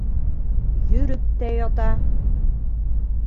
Йөрөп тә ята.